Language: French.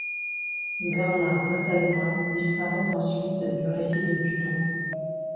Bernard le Danois disparaît ensuite du récit de Dudon.